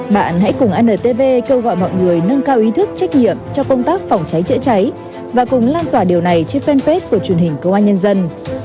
bạn hãy cùng antv kêu gọi mọi người nâng cao ý thức trách nhiệm cho công tác phòng cháy chữa cháy và cùng lan tỏa điều này trên fanpage của truyền hình công an nhân dân